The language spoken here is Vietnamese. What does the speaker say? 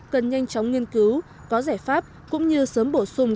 cần nhanh chóng nghiên cứu có giải pháp cũng như sớm bổ sung